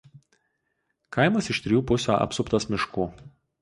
Kaimas iš trijų pusių apsuptas miškų.